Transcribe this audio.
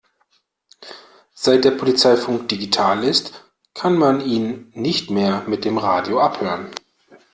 Seit der Polizeifunk digital ist, kann man ihn nicht mehr mit dem Radio abhören.